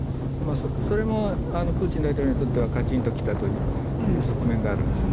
それもプーチン大統領にとってはカチンときたという側面があるんですね。